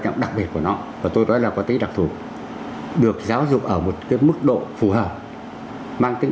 trọng đặc biệt của nó và tôi nói là có tính đặc thủ được giáo dục ở một cái mức độ phù hợp mang tính